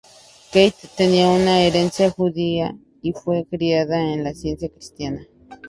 Keith tenía una herencia judía y fue criado en la Ciencia Cristiana.